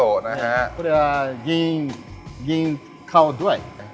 มีน้ำสาวอุ่นกาก